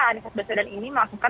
anies baso dan ini melakukan